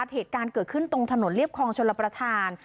เหตุการณ์เกิดขึ้นตรงถนนเรียบคลองชลประธาน